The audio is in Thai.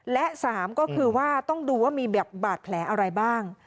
และ๓ก็คือว่าต้องดูว่ามีแบบบาดแผลอะไรบ้าง